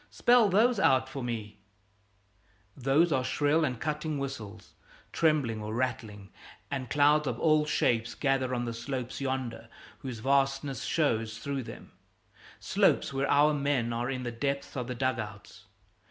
Spell those out for me " Those are shrill and cutting whistles, trembling or rattling; and clouds of all shapes gather on the slopes yonder whose vastness shows through them, slopes where our men are in the depths of the dug outs.